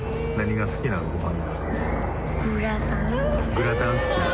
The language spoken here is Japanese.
グラタン好きなん？